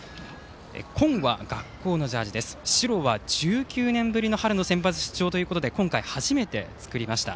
紺は学校のジャージー白は１９年ぶりに春センバツ出場ということで今回初めて作りました。